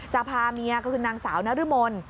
พาเมียก็คือนางสาวนรมน